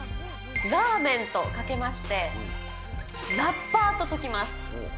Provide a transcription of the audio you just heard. ラーメンとかけまして、ラッパーとときます。